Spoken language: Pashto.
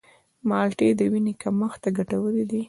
مالټې د وینې کمښت ته ګټورې دي.